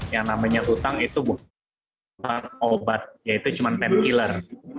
yang namanya utang itu bukan obat ya itu cuma pen killer